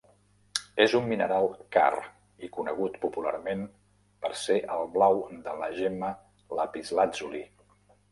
És un mineral car i conegut popularment per ser el blau de la gemma lapislàtzuli.